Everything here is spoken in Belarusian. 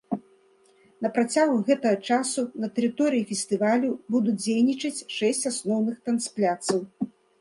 На працягу гэтага часу на тэрыторыі фестывалю будуць дзейнічаць шэсць асноўных танцпляцаў.